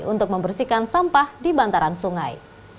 untuk membersihkan sampah di bantaran sungai